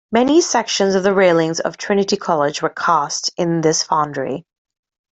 Many sections of the railings of Trinity College were cast in this foundry.